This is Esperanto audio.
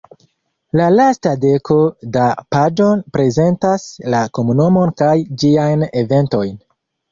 La lasta deko da paĝoj prezentas la komunumon kaj ĝiajn eventojn.